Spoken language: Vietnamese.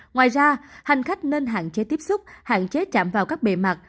ngoài ra hành khách nên hạn chế tiếp xúc hạn chế chạm vào các bề mặt